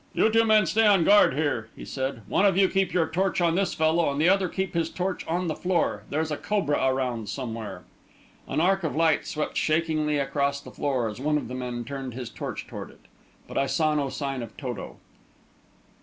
"You two men stay on guard here," he said. "One of you keep your torch on this fellow, and the other keep his torch on the floor. There's a cobra around somewhere." An arc of light swept shakingly across the floor, as one of the men turned his torch toward it. But I saw no sign of Toto.